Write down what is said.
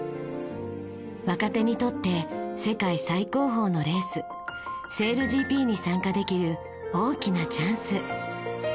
若手にとって世界最高峰のレースＳａｉｌＧＰに参加できる大きなチャンス。